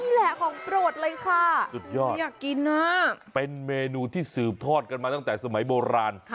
นี่แหละของโปรดเลยค่ะสุดยอดอยากกินนะเป็นเมนูที่สืบทอดกันมาตั้งแต่สมัยโบราณ